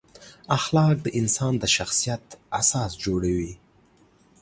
اخلاق د انسان د شخصیت اساس جوړوي.